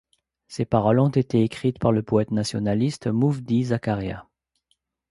Ses paroles ont été écrites par le poète nationaliste Moufdi Zakaria.